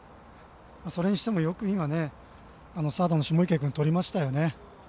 それにしても、よく今サードの下池君、とりましたね。